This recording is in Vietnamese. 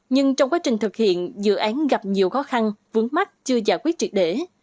nhưng trong quá trình thực hiện dự án gặp nhiều khó khăn vướng mắt chưa giải quyết triệt để